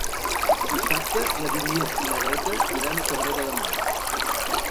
Dissabte na Vinyet i na Greta iran a Cabrera de Mar.